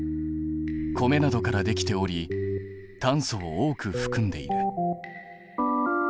米などからできており炭素を多くふくんでいる。